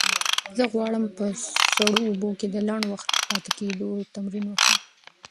زه غواړم په سړو اوبو کې د لنډ وخت پاتې کېدو تمرین وکړم.